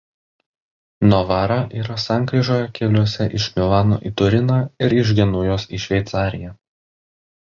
Novara yra sankryžoje keliuose iš Milano į Turiną ir iš Genujos į Šveicariją.